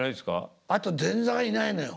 あと前座がいないのよ。